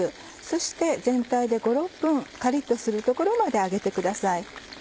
そして全体で５６分カリっとするところまで揚げてください。